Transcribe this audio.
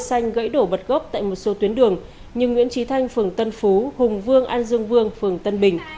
cây xanh gãy đổ bật gốc tại một số tuyến đường như nguyễn trí thanh phường tân phú hùng vương an dương vương phường tân bình